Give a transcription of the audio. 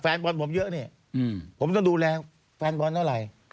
แฟนบอลผมเยอะเนี่ยผมต้องดูแลแฟนบอลเท่าไหร่